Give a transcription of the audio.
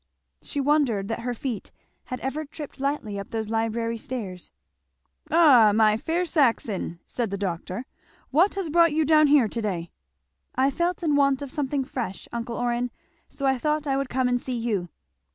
She wondered that her feet had ever tripped lightly up those library stairs. "Ha! my fair Saxon," said the doctor; "what has brought you down here to day?" "I felt in want of something fresh, uncle Orrin, so I thought I would come and see you."